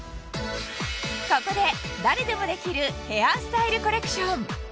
ここで誰でもできるヘアスタイルコレクション